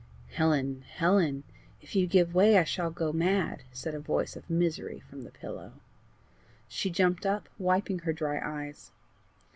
"Helen! Helen! if you give way I shall go mad," said a voice of misery from the pillow. She jumped up, wiping her dry eyes.